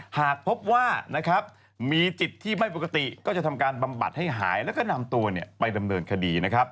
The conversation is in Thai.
หากพบว่ามีจิตที่ไม่ปกติก็จะทำการบำบัดให้หายแล้วก็นำตัวไปดำเนินคดีนะครับ